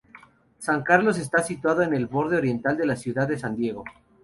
San Carlos está situado en el borde oriental de la ciudad de San Diego.